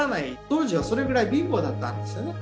当時はそれぐらい貧乏だったんですよね。